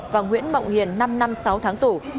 và nguyễn bọng hiền năm năm sáu tháng tù